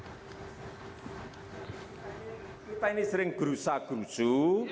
kita ini sering gerusa gerusu